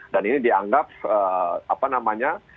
dan ini dianggap apa namanya